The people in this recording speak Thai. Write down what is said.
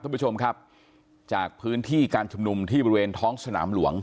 ท่านผู้ชมครับจากพื้นที่การชุมนุมที่บริเวณท้องสนามหลวง